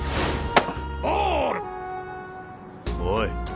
おい。